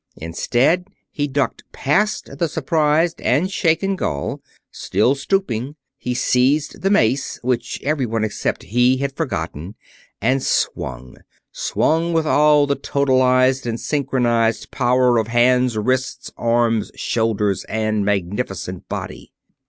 Instead, he ducked past the surprised and shaken Gaul. Still stooping, he seized the mace, which everyone except he had forgotten, and swung; swung with all the totalized and synchronized power of hands, wrists, arms, shoulders, and magnificent body.